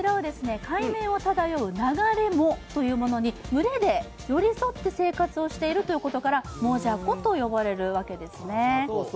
海面を漂う流れ藻というものに群れで寄り添って生活をしているということから、もじゃこと呼ばれるわけですね。